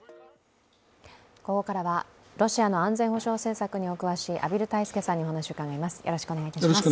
ここからはロシアの安全保障政策にお詳しい畔蒜泰助さんにお話をお伺いします。